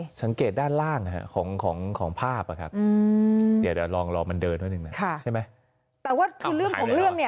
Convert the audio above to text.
ให้สังเกตด้านล่างของภาพค่ะแต่ว่าคือเรื่องของเรื่องเนี่ย